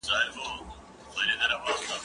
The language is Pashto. ته ولي پوښتنه کوې،